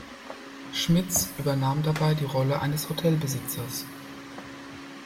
Schmitz übernahm dabei die Rolle eines Hotelbesitzers.